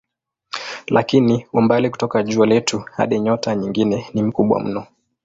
Lakini umbali kutoka jua letu hadi nyota nyingine ni mkubwa mno.